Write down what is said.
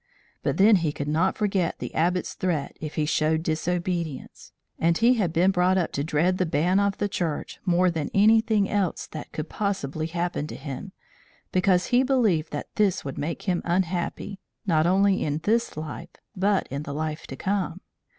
But then he could not forget the Abbot's threat if he showed disobedience; and he had been brought up to dread the ban of the Church more than anything else that could possibly happen to him, because he believed that this would make him unhappy, not only in this life, but in the life to come.